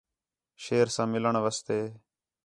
شیر ساں مِلݨ واسطے